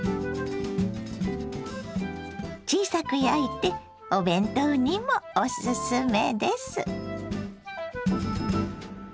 小さく焼いてお弁当にもおすすめです。